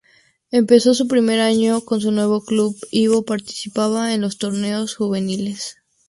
En su primer año con su nuevo club, Ivo participaba en los torneos juveniles.